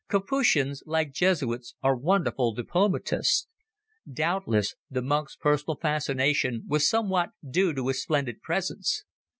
Capuchins, like Jesuits, are wonderful diplomatists. Doubtless, the monk's personal fascination was somewhat due to his splendid presence.